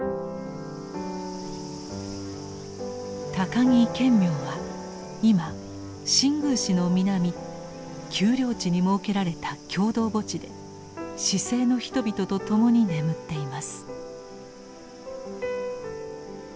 高木顕明は今新宮市の南丘陵地に設けられた共同墓地で市井の人々と共に眠っています。